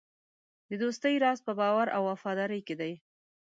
د دوستۍ راز په باور او وفادارۍ کې دی.